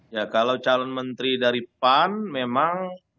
ya kalau calon menteri dari pan memang